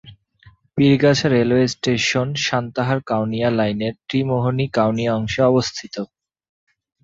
Pirgachha railway station Santahar Kaunia লাইনের ত্রিমোহনী-কাউনিয়া অংশে অবস্থিত।